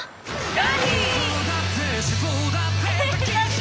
何？